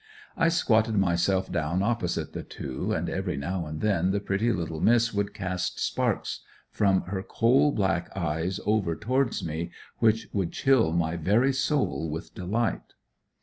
I squatted myself down opposite the two, and every now and then the pretty little miss would cast sparks from her coal black eyes over towards me which would chill my very soul with delight.